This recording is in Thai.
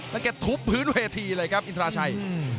แล้วแกทุบพื้นเวทีเลยครับอินทราชัย